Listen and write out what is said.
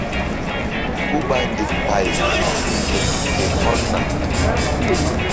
Ku ɓa nzuk pay ke nzuk fe hɔlna.